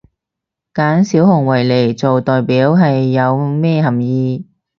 揀小熊維尼做代表係有咩含意？